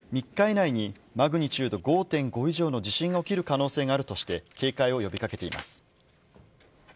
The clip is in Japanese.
気象局は今後、３日以内にマグニチュード５．５以上の地震が起きる可能性があるとして、警戒を呼びかけています。